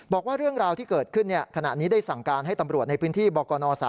บอกว่าเรื่องราวที่เกิดขึ้นขณะนี้ได้สั่งการให้ตำรวจในพื้นที่บกน๓